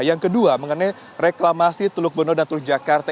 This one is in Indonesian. yang kedua mengenai reklamasi teluk beno dan teluk jakarta